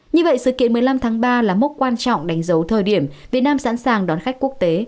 như vậy sự kiện một mươi năm tháng ba là mốc quan trọng đánh dấu thời điểm việt nam sẵn sàng đón khách quốc tế